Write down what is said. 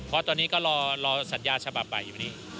เพราะตอนนี้ก็รอสัญญาเช่าซื้อฉบับใหม่อยู่นี่